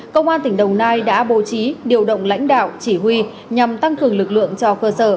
công an tỉnh đồng nai đã bố trí điều động lãnh đạo chỉ huy nhằm tăng cường lực lượng cho cơ sở